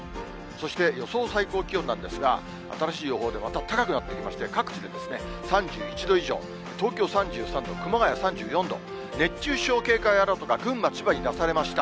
そして予想最高気温なんですが、新しい予報で、また高くなってきまして、各地で３１度以上、東京３３度、熊谷３４度、熱中症警戒アラートが群馬、千葉に出されました。